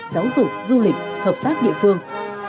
giáo dục du lịch hợp tác địa phương